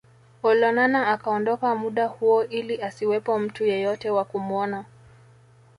Olonana akaondoka muda huo ili asiwepo mtu yeyote wa kumuona